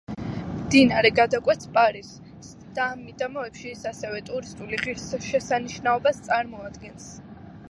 მდინარე გადაკვეთს პარიზს და ამ მიდამოებში ის ასევე ტურისტული ღირსშესანიშნაობას წარმოადგენს.